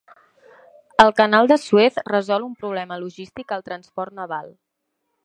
El Canal de Suez resol un problema logístic al transport naval.